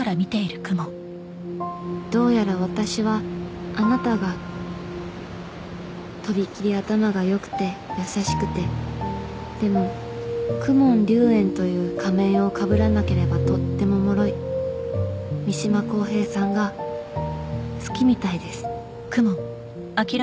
どうやら私はあなたがとびきり頭がよくて優しくてでも公文竜炎という仮面をかぶらなければとってももろい三島公平さんが好きみたいです